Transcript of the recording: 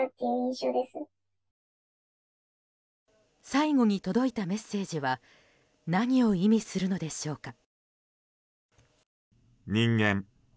最後に届いたメッセージは何を意味するのでしょうか。